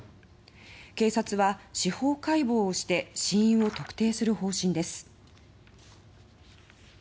警察は司法解剖して死因を特定する方針です。